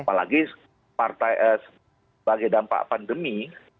apalagi sebagai dampak pandemi